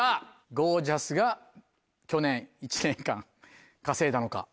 ゴー☆ジャスが去年１年間稼いだのか。